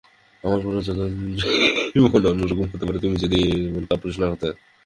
আমার পুরো চোদন জীবন অন্যরকম হতে পারে তুমি যদি এমন কাপুরুষ না হতে।